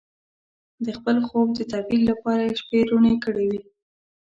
د خپل خوب د تعبیر لپاره یې شپې روڼې کړې وې.